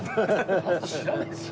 知らないですよ。